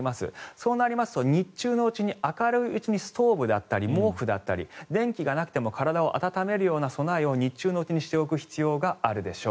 そうなりますと日中のうちに、明るいうちにストーブだったり毛布だったり電気がなくても体を温めるるような備えを日中のうちにしておく必要があるでしょう。